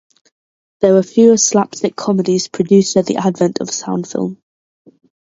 There were fewer slapstick comedies produced at the advent of sound film.